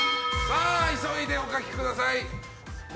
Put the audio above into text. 急いでお書きください。